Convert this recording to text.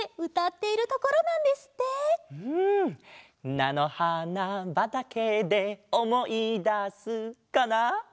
「なのはなばたけでおもいだす」かな？